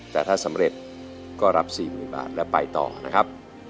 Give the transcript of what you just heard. แต่ถ้าสำเร็จก็รับ๔๐๐๐บาทและไปต่อนะครับ